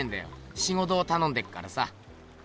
仕事をたのんでっからさ。